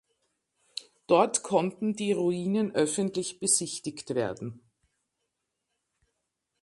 Dort konnten die Ruinen öffentlich besichtigt werden.